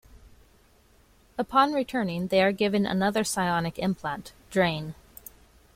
Upon returning, they are given another psionic implant, drain.